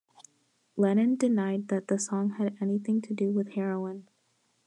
Lennon denied that the song had anything to do with heroin.